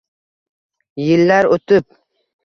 Yillar o’tib